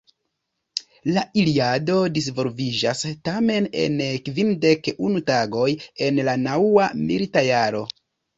La Iliado disvolviĝas tamen en kvindek unu tagoj en la naŭa milita jaro.